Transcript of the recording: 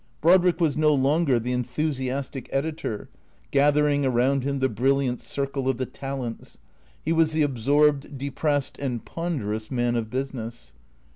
Brodrick was no longer the enthusiastic editor, gathering around him the brilliant circle of the talents ; he was the absorbed, depressed and ponderous man of business.